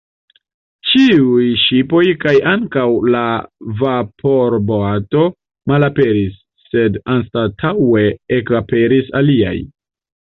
Ĉiuj ŝipoj kaj ankaŭ la vaporboato malaperis, sed anstataŭe ekaperis aliaj.